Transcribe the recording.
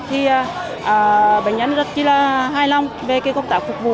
thì bệnh nhân rất là hài lòng về cái công tác phục vụ